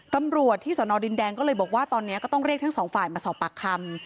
ตำรวจที่สนดินแดงก็เลยบอกว่าตอนนี้ก็ต้องเรียกทั้งสองฝ่ายมาสอบปากคำ